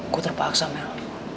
gue terpaksa mel